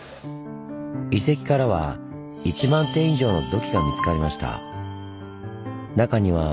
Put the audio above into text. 遺跡からは１万点以上の土器が見つかりました。